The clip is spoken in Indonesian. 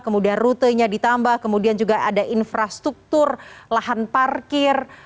kemudian rutenya ditambah kemudian juga ada infrastruktur lahan parkir